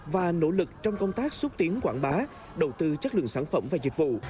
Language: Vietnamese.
và nỗ lực trong công tác xúc tiến quảng bá đầu tư chất lượng sản phẩm và dịch vụ